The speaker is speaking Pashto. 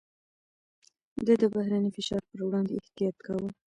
ده د بهرني فشار پر وړاندې احتياط کاوه.